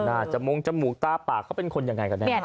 อาจมงค์จมูกตาปากเขาเป็นคนยังไง